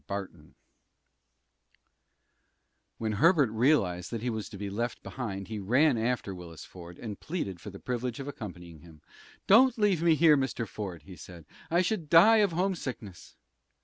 BARTON When Herbert realized that he was to be left behind he ran after Willis Ford, and pleaded for the privilege of accompanying him. "Don't leave me here, Mr. Ford!" he said. "I should die of homesickness!"